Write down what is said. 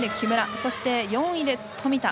そして、４位で富田。